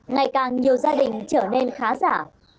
ngày càng nhiều gia đình trở nên khá giả